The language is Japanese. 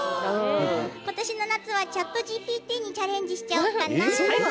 今年の夏はＣｈａｔＧＰＴにチャレンジしちゃおうかな。